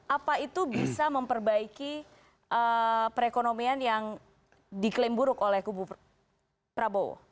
apa itu bisa memperbaiki perekonomian yang diklaim buruk oleh kubu prabowo